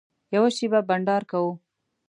یوه شېبه بنډار کوو.